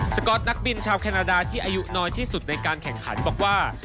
ก๊อตนักบินชาวแคนาดาที่อายุน้อยที่สุดในการแข่งขันบอกว่า